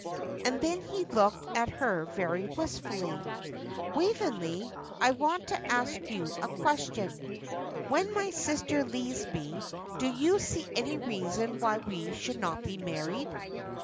And then he looked at her very wistfully. "Waveney, I want to ask you a question. When my sister leaves me, do you see any reason why we should not be married?"